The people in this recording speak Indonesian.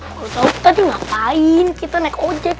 kalo tau tadi ngapain kita naik ojek